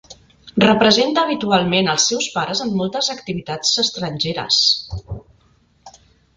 Representa habitualment als seus pares en moltes activitats estrangeres.